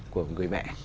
của người mẹ